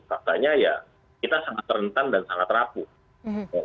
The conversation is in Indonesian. faktanya ya kita sangat rentan dan sangat rapuh